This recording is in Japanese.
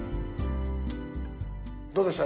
どうでした？